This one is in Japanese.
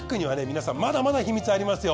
皆さんまだまだ秘密ありますよ。